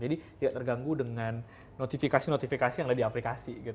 tidak terganggu dengan notifikasi notifikasi yang ada di aplikasi gitu